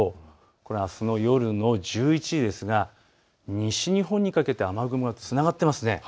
これはあすの夜の１１時ですが西日本にかけて雨雲がつながっていますね。